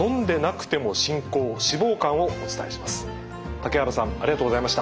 竹原さんありがとうございました。